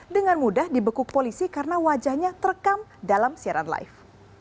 dengan mudah dibekuk polisi karena wajahnya terekam dalam siaran live